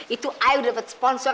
itu ayah udah dapet sponsor